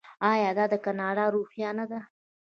آیا دا د کاناډا روحیه نه ده؟